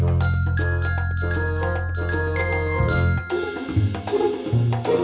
terima kasih pak